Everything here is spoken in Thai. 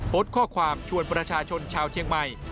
โพสต์ข้อความชวนประชาชนชาวเชียงใหม่